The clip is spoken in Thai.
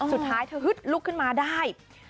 สุดท้ายเธอฮึดลุกขึ้นมาได้